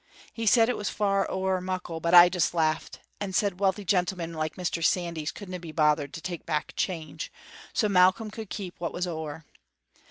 He said it was far ower muckle, but I just laughed, and said wealthy gentlemen like Mr. Sandys couldna be bothered to take back change, so Malcolm could keep what was ower.